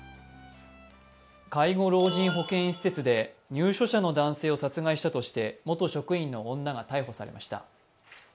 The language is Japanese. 介護老人施設で入所者の男性を殺害したとして元職員の女が逮捕されました。